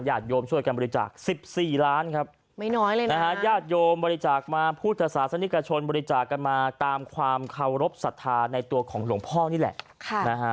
โยมช่วยกันบริจาค๑๔ล้านครับไม่น้อยเลยนะนะฮะญาติโยมบริจาคมาพุทธศาสนิกชนบริจาคกันมาตามความเคารพสัทธาในตัวของหลวงพ่อนี่แหละนะฮะ